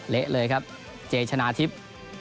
เละเลยครับเจชนะทิพย์